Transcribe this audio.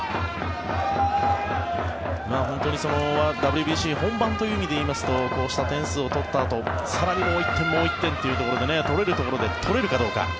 本当にＷＢＣ本番という意味で言いますとこうした点数を取ったあと更にもう１点、もう１点というところで取れるところで取れるかどうか。